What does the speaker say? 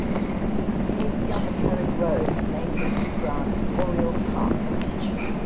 Casey on the Carrick Road and named the new ground "Oriel Park".